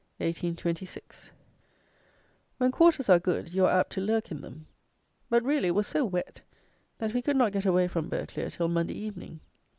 _ When quarters are good, you are apt to lurk in them; but, really it was so wet, that we could not get away from Burghclere till Monday evening.